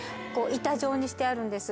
板状にしてあるんです。